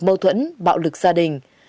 mâu thuẫn bạo lực gia đình